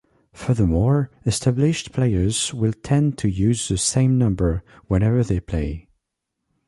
Furthermore, established players will tend to use the same number whenever they play.